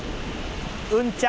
うんちゃ。